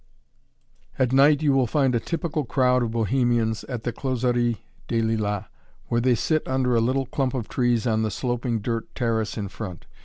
At night you will find a typical crowd of Bohemians at the Closerie des Lilas, where they sit under a little clump of trees on the sloping dirt terrace in front.